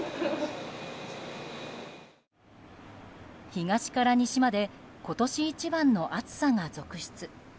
東から西まで今年一番の暑さが続出。